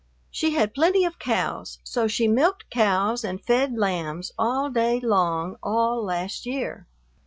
She had plenty of cows, so she milked cows and fed lambs all day long all last year.